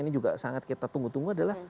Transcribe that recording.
ini juga sangat kita tunggu tunggu adalah